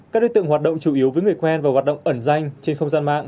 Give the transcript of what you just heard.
các đối tượng hoạt động chủ yếu với người quen và hoạt động ẩn danh trên không gian mạng